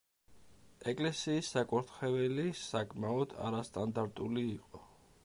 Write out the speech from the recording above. ეკლესიის საკურთხეველი საკმაოდ არასტანდარტული იყო.